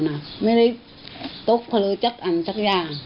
ไม่ได้ต้องพ้อเลือกจักรครั้งสักอย่าง